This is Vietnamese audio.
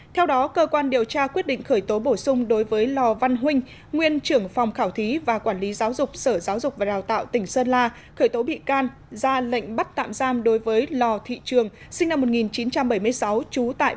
theo đó cơ quan điều tra quyết định khởi tố bổ sung đối với lò văn huynh nguyên trưởng phòng khảo thí và quản lý giáo dục sở giáo dục và đào tạo tỉnh sơn la khởi tố bị can ra lệnh bắt tạm giam đối với lò thị trường sinh năm một nghìn chín trăm bảy mươi sáu trú tại bản bó huyện trường an thành phố sơn la tỉnh sơn la về tội đưa hối lộ